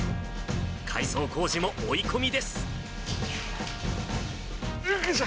改装工事も追い込みです。